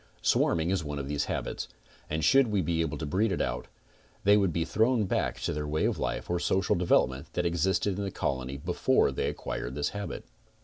Swarming is one of these habits, and should we be able to breed it out, they would be thrown back. to their way of life or social development that existed in the colony before they acquired this habit.